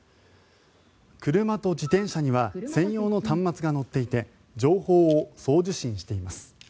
車と自転車には専用の端末が載っていて情報を送受信しています。